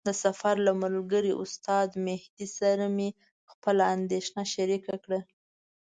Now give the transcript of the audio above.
د سفر له ملګري استاد مهدي سره مې خپله اندېښنه شریکه کړه.